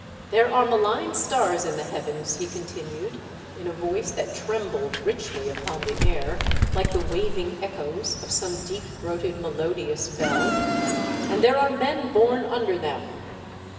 " There are malign stars in the heavens," he continued, in a voice that trembled richly upon the air, like the waving echoes of some deep throated melodious bell, "and there are men born under them.